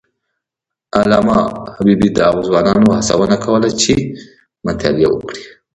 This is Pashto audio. علامه حبیبي د ځوانانو هڅونه کوله چې مطالعه وکړي.